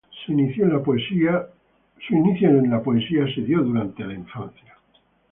Su inicio en la poesía se dio durante su infancia.